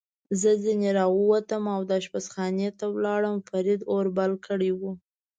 زه ځنې را ووتم او اشپزخانې ته ولاړم، فرید اور بل کړی و.